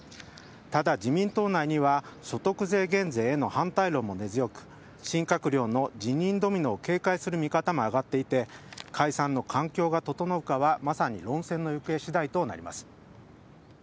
ただ、自民党内には所得税減税への反対論も根強く新閣僚の辞任ドミノを警戒する見方も上がっていて解散の環境が整うかはまさに論戦の行方次第となります。